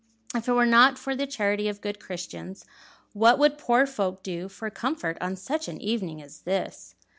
"If it were not for the charity of good Christians, what would poor folk do for comfort on such an evening as this?"